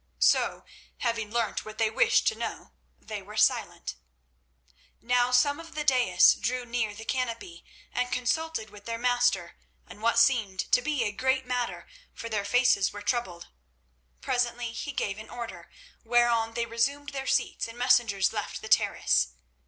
So, having learnt what they wished to know, they were silent. Now some of the daïs drew near the canopy, and consulted with their master on what seemed to be a great matter, for their faces were troubled. Presently he gave an order, whereon they resumed their seats and messengers left the terrace.